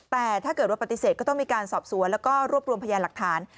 แต่ถ้าเกิดว่าปฏิเสธก็ต้องมีการสอบสวนแล้วก็รวบรวมพยานหลักฐาน